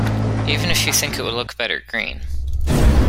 Even if you think it would look better green.